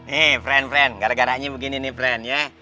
nih fren gara garanya begini nih fren